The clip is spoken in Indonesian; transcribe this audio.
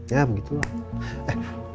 ya begitu lah